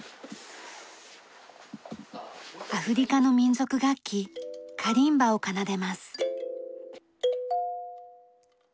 アフリカの民族楽器カリンバを奏でます。